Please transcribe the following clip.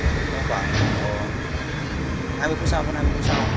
khoảng có hai mươi phút sau có hai mươi phút sau